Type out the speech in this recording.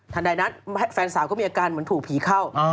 ใดนั้นแฟนสาวก็มีอาการเหมือนถูกผีเข้า